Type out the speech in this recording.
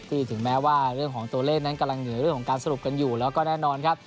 ถึงแม้ว่าเรื่องของตัวเลขนั้นกำลังเหนือเรื่องของการสรุปกันอยู่แล้วก็แน่นอนครับ